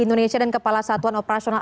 indonesia dan kepala satuan operasional